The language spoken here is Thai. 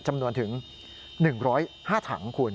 จำนวนถึง๑๐๕ถังคุณ